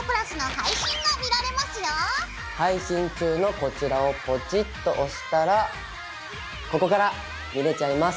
配信中のこちらをポチッと押したらここから！見れちゃいます！